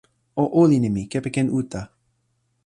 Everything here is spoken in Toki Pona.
o olin e mi kepeken uta.